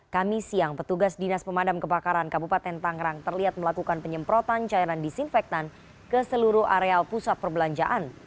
kami siang petugas dinas pemadam kebakaran kabupaten tangerang terlihat melakukan penyemprotan cairan disinfektan ke seluruh areal pusat perbelanjaan